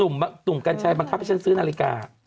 หนุ่มกัญชัยบังคับให้ฉันซื้อนาฬิกา